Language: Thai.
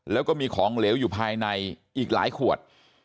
แล้วก็มีของเหลวอยู่ภายในอีกหลายขวด